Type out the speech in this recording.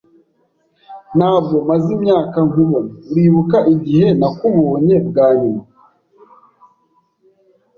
Ntabwo maze imyaka nkubona, Uribuka igihe nakubonye bwa nyuma?